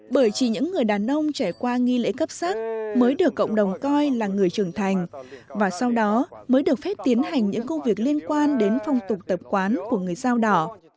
bởi chỉ những người đàn ông trải qua nghi lễ cấp sắc mới được cộng đồng coi là người trưởng thành và sau đó mới được phép tiến hành những công việc liên quan đến phong tục tập quán của người dao đỏ